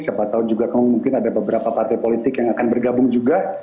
siapa tahu juga mungkin ada beberapa partai politik yang akan bergabung juga